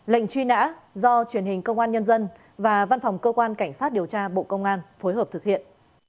lệnh truy nã do truyền hình công an dân và văn phòng cảnh sát điều tra bộ công an phối hợp thực hiện